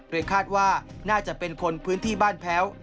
โดยคาดว่าน่าจะเป็นคนพื้นที่บ้านแพ้ว